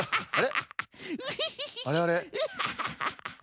あれ？